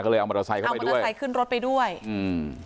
ก็เลยเอามอเตอร์ไซค์เข้าไปเอามอเตอร์ไซค์ขึ้นรถไปด้วยอืม